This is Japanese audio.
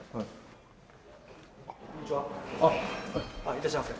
いらっしゃいませ。